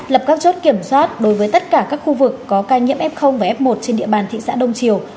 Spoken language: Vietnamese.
lập các chốt kiểm soát đối với tất cả các khu vực có ca nhiễm f và f một trên địa bàn thị xã đông triều